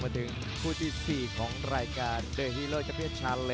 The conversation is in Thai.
เขาเป็นผู้หญิงของมหาศาลกรรมประวัติศาสตร์